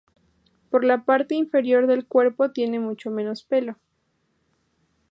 Por la parte inferior del cuerpo tiene mucho menos pelo.